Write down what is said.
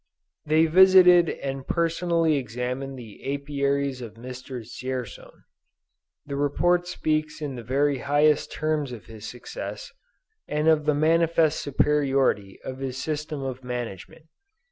They visited and personally examined the Apiaries of Mr. Dzierzon. The report speaks in the very highest terms of his success, and of the manifest superiority of his system of management.